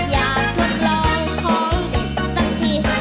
อยากทดลองของเด็กซักที